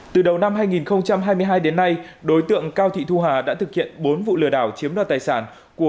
từ đầu năm hai nghìn hai mươi hai đến nay đối tượng cao thị thu hà đã thực hiện bốn vụ lừa đảo chiếm đoạt tài sản của